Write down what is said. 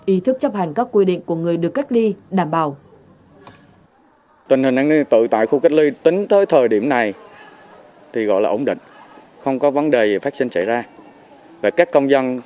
ý thức chấp hành các quy định của người được cách ly đảm bảo